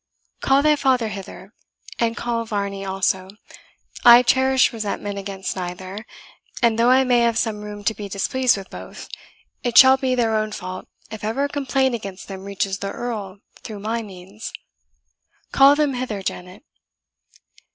Call thy father hither, and call Varney also. I cherish resentment against neither; and though I may have some room to be displeased with both, it shall be their own fault if ever a complaint against them reaches the Earl through my means. Call them hither, Janet."